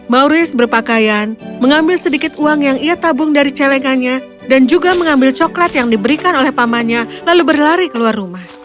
mauris berpakaian mengambil sedikit uang yang ia tabung dari celengannya dan juga mengambil coklat yang diberikan oleh pamannya lalu berlari keluar rumah